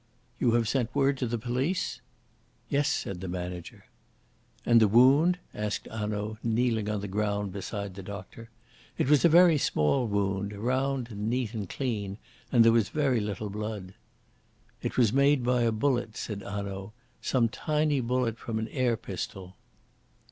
"You have sent word to the police?" "Yes," said the manager. "And the wound?" asked Hanaud, kneeling on the ground beside the doctor. It was a very small wound, round and neat and clean, and there was very little blood. "It was made by a bullet," said Hanaud "some tiny bullet from an air pistol."